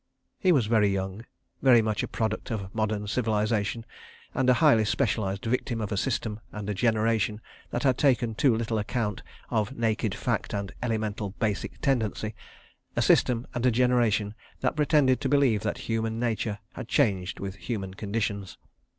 He was very young, very much a product of modern civilisation, and a highly specialised victim of a system and a generation that had taken too little account of naked fact and elemental basic tendency—a system and a generation that pretended to believe that human nature had changed with human conditions.